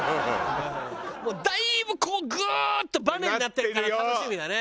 だいぶこうグーッとバネになってるから楽しみだね。